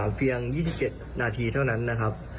อยู่ที่ห่างกันเพียง๒๕นาทีเท่านั้นนะครับ